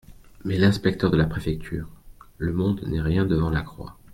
Mais l'inspecteur de la préfecture … Le monde n'est rien devant la croix.